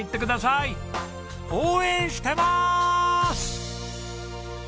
応援してまーす！